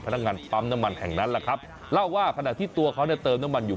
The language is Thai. พนักงานปั๊มน้ำมันแห่งนั้นแหละครับเล่าว่าขณะที่ตัวเขาเนี่ยเติมน้ำมันอยู่